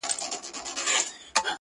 كه ملاقات مو په همدې ورځ وسو~